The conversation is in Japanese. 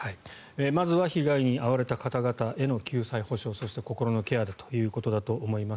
まずは被害に遭われた方々への救済補償そして心のケアということだと思います。